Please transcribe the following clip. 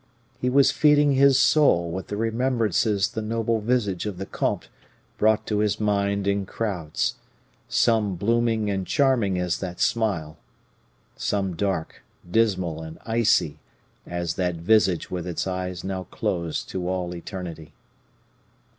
He was feeding his soul with the remembrances the noble visage of the comte brought to his mind in crowds some blooming and charming as that smile some dark, dismal, and icy as that visage with its eyes now closed to all eternity.